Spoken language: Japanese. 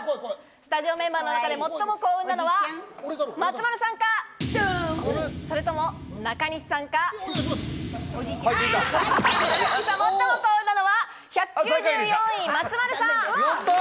スタジオメンバーの中で最も幸運なのは松丸さんか、それとも中西さんか、最も幸運なのは１９４位、松丸さん。